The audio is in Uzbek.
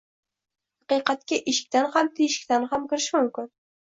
Haqiqatga eshikdan ham, teshikdan ham kirish mumkin